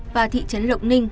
và thị trấn lộc ninh